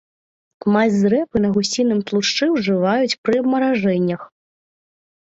Мазь з рэпы на гусіным тлушчы ўжываюць пры абмаражэннях.